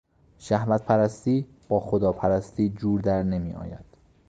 شهوتپرستی با خداپرستی جور در نمیآید.